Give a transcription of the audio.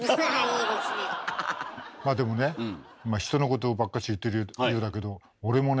まあでもね人のことばっかし言ってるようだけど俺もね